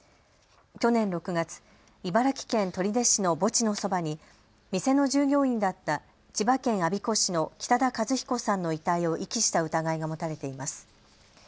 去年６月茨城県取手市の墓地のそばに店の従業員だった千葉県我孫子市の北田和彦さんの遺体を遺棄した疑いが持たれています。